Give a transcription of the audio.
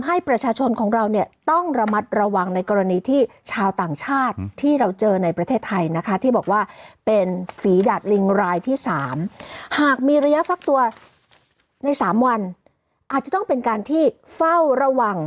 หากมีระยะฟักตัวใน๓วันอาจจะต้องเป็นการที่เฝ้าระวัง